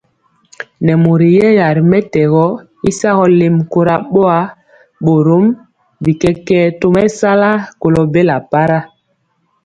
Nɛ mori yɛya ri mɛtɛgɔ y sagɔ lɛmi kora boa, borom bi kɛkɛɛ tomesala kolo bela para.